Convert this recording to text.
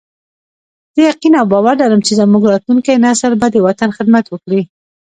زه یقین او باور لرم چې زموږ راتلونکی نسل به د وطن خدمت وکړي